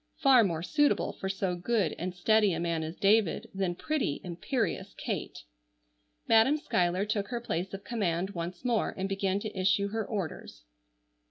Far more suitable for so good and steady a man as David than pretty, imperious Kate. Madam Schuyler took her place of command once more and began to issue her orders.